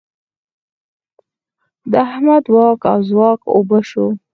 د احمد واک او ځواک اوبه شو.